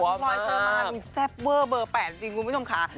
พลอยชอบมากเจฟเว้อเบอร์แปดจริงคุณผู้ชมค่ะ